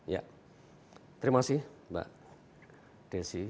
ya terima kasih mbak desi